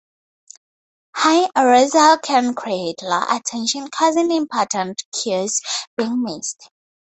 High arousal can create low attention causing important cues being missed.